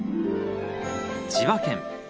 千葉県。